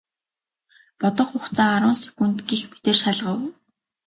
Бодох хугацаа арван секунд гэх мэтээр шалгав.